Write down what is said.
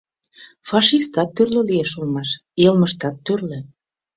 Фашистат тӱрлӧ лиеш улмаш, йылмыштат — тӱрлӧ.